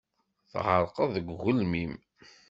Tɣerqeḍ deg ugelmim.